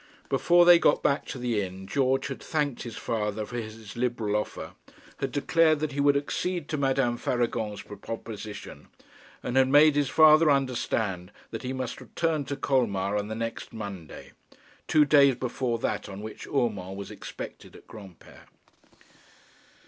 Before they got back to the inn, George had thanked his father for his liberal offer, had declared that he would accede to Madame Faragon's proposition, and had made his father understand that he must return to Colmar on the next Monday, two days before that on which Urmand was expected at Granpere.